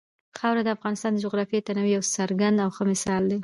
خاوره د افغانستان د جغرافیوي تنوع یو څرګند او ښه مثال دی.